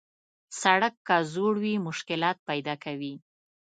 سړک که زوړ وي، مشکلات پیدا کوي.